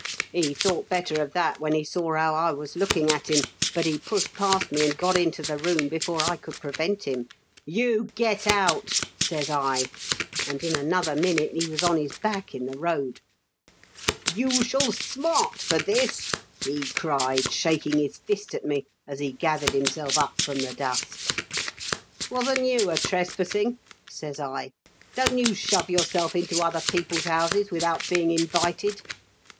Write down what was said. He thought better of that when he saw how I was looking at him ; but he pushed past me, and got into the room before I could prevent him. "* You get out 1 ' says I, and in another minute he was on his back in the road. "* You shall smart for this !' he cried, shaking his fist at me, as he gathered himself up from the dust. "'Wasn't you a trespassing ?' says I. * Don't you shove yourself into other people's houses without being invited.'